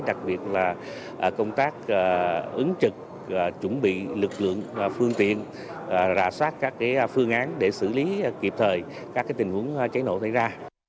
đặc biệt là công tác ứng trực chuẩn bị lực lượng phương tiện rà soát các phương án để xử lý kịp thời các tình huống cháy nổ gây ra